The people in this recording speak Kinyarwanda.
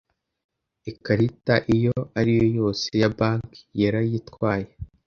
Ikarita iyo ari yo yose ya bank yarayitwaye